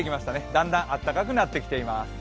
だんだんあったかくなってきています。